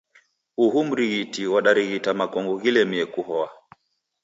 Uhu mrighiti wadarighita makongo ghilemie kuhoa.